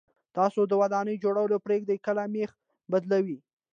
تاسو د ودانۍ جوړول پرېږدئ که مېخ بدلوئ.